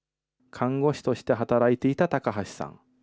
看護師として働いていた高橋さん。